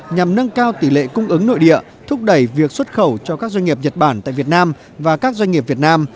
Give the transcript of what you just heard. nhằm nâng cao tỷ lệ cung ứng nội địa thúc đẩy việc xuất khẩu cho các doanh nghiệp nhật bản tại việt nam và các doanh nghiệp việt nam